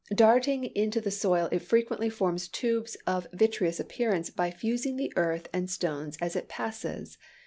Darting into the soil it frequently forms tubes of vitreous appearance by fusing the earth and stones as it passes.